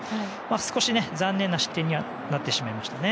少し残念な失点にはなってしまいましたね。